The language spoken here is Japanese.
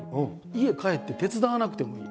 家帰って手伝わなくてもいい。